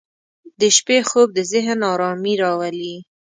• د شپې خوب د ذهن آرامي راولي.